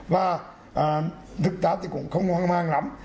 và thực ra thì cũng không hoang hoang lắm